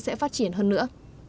sẽ phát triển hơn nữa